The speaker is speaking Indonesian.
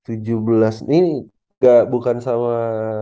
tujuh belas ini bukan sama